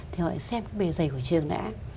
thì họ xem cái bề dày của trường đã